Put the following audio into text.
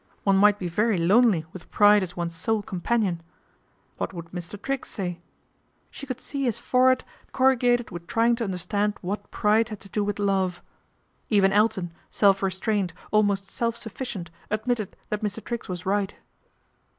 One might be very lonely with pride as one's sole companion. What would Mr. Triggs say ? She could see his forehead corrugated with trying to understand what pride had to do with love. Even Elton, self restrained, almost self sufficient, admitted that Mr. Triggs was right.